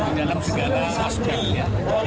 di dalam segala aspeknya